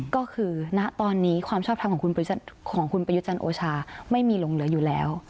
ก็คือณตอนนี้ความชอบทำของคุณประยุจันทร์โอชาไม่มีลงเหลืออยู่แล้ว